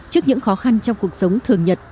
trước những khó khăn trong cuộc sống thường nhật